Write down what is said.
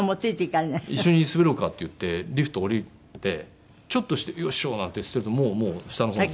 一緒に滑ろうかっていってリフトを降りてちょっとしてよいしょなんてしてるともう下の方に。